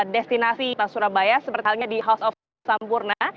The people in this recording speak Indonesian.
destinasi kota surabaya sepertinya di house of sampurna